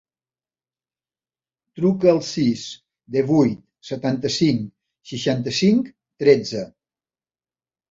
Truca al sis, divuit, setanta-cinc, seixanta-cinc, tretze.